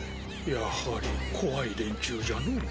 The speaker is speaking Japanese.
やはり怖い連中じゃのう。